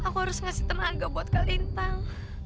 aku harus ngasih tenaga buat kak lintang